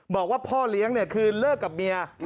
บอกว่าพ่อเลี้ยงเนี่ยคือเลิกกับเมีย